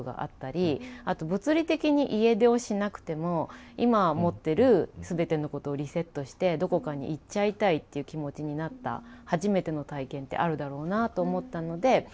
あと物理的に家出をしなくても今持ってる全てのことをリセットしてどこかに行っちゃいたいっていう気持ちになった初めての体験ってあるだろうなと思ったので家出を選んで。